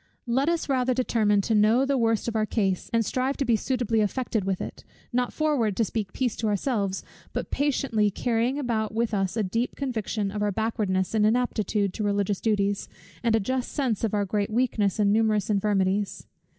Let us rather determine to know the worst of our case, and strive to be suitably affected with it; not forward to speak peace to ourselves, but patiently carrying about with us a deep conviction of our backwardness and inaptitude to religious duties, and a just sense of our great weakness and numerous infirmities.